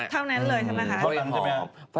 เท่านั้นเลยใช่ไหมคะ